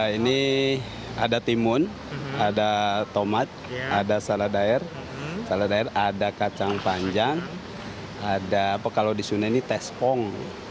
ini ada timun ada tomat ada saladier saladier ada kacang panjang ada apa kalau di sini ini tes pong